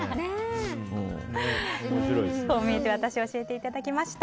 こう見えてワタシ教えていただきました。